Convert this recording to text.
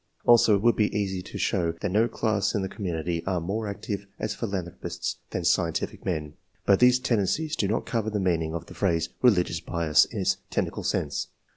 Also, it would be easy to 128 ENGLISn MES OF SCIEXCE. [chap. show that no class in the community are miore iictive as philanthropists than scientific men. But these tendencies do not cover the meaning of the phrase, " religious bias " in its technical sense.